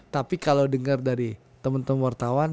tapi kalau pernah dengar dari temen temen wartawan